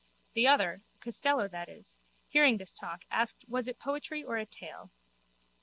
The other, Costello that is, hearing this talk asked was it poetry or a tale.